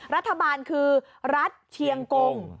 รัฐบาลคือรัฐเชียงกง